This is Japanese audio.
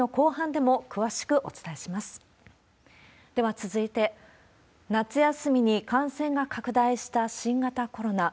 では続いて、夏休みに感染が拡大した新型コロナ。